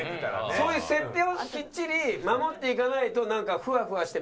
そういう設定をきっちり守っていかないとなんかふわふわして